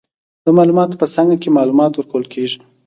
د معلوماتو په څانګه کې، معلومات ورکول کیږي.